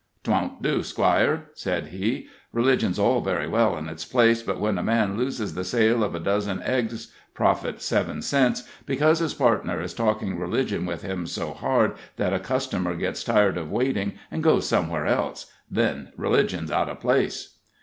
"'Twont do, Squire," said he; "religion's all very well in its place, but when a man loses the sale of a dozen eggs, profit seven cents, because his partner is talking religion with him so hard that a customer gets tired of waiting and goes somewhere else, then religion's out of place."